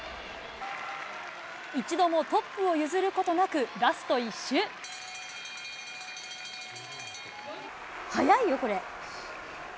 一度もトップを譲ることなく、速いよ、これ。